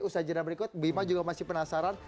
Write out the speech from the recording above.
usaha jadwal berikut bima juga masih penasaran